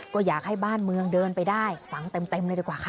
ก็อยากให้บ้านเมืองเดินไปได้ฟังเต็มเลยดีกว่าค่ะ